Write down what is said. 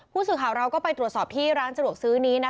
ผู้สื่อข่าวเราก็ไปตรวจสอบที่ร้านสะดวกซื้อนี้